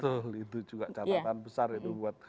betul itu juga catatan besar ya